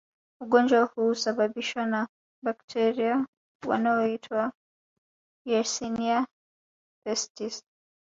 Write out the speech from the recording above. Ugonjwa huu husababishwa na bakteria wanaoitwa yersinia pestis